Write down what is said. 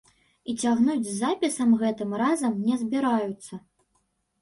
І цягнуць з запісам гэтым разам не збіраюцца!